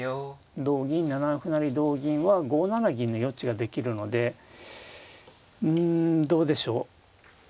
同銀７七歩成同銀は５七銀の余地ができるのでうんどうでしょう。